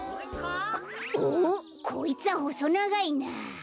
おっこいつはほそながいなあ。